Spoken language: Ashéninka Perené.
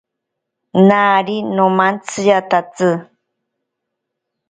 Nari nomantsiatatsi.